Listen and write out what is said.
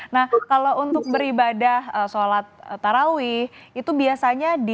nah kalau untuk beribadah sholat tarawih itu biasanya di